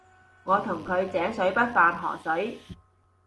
我同佢井水不犯河水